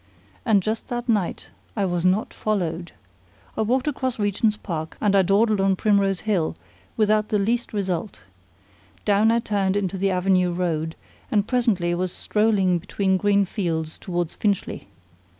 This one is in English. And just that night I was not followed! I walked across Regent's Park, and I dawdled on Primrose Hill, without the least result. Down I turned into the Avenue Road, and presently was strolling between green fields towards Finchley.